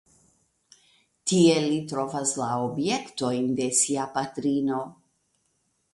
Tie li trovas la objektojn de sia patrino.